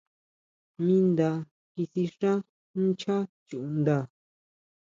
Mi nda kisixá nchá chuʼnda.